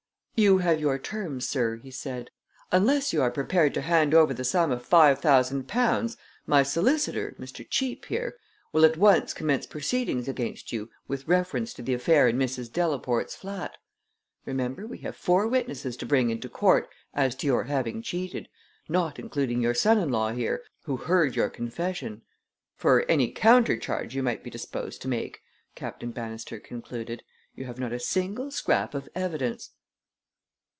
"You have your terms, sir," he said. "Unless you are prepared to hand over the sum of five thousand pounds, my solicitor, Mr. Cheape here, will at once commence proceedings against you with reference to the affair in Mrs. Delaporte's flat. Remember, we have four witnesses to bring into court as to your having cheated not including your son in law here, who heard your confession. For any countercharge you might be disposed to make," Captain Bannister concluded, "you have not a single scrap of evidence."